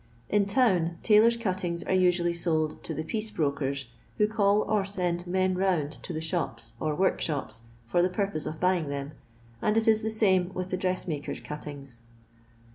In town, tailor's cut tings are usually sold to the piece brokers, who call or send men round to the shops or ^rork shops for the purpose of buying them, and it is the same with the dressmaker's cuttings.